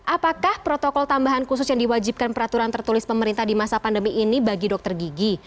apakah protokol tambahan khusus yang diwajibkan peraturan tertulis pemerintah di masa pandemi ini bagi dokter gigi